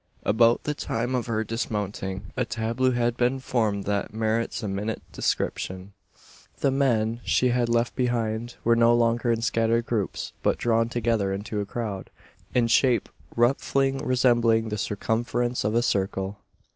About the time of her dismounting, a tableau had been formed that merits a minute description. The men, she had left behind, were no longer in scattered groups; but drawn together into a crowd, in shape roughly resembling the circumference of a circle.